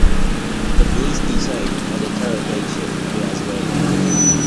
The police detained and interrogated Riazuelo.